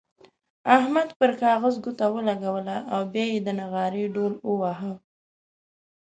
احمد پر کاغذ ګوته ولګوله او بيا يې د نغارې ډوهل وواهه.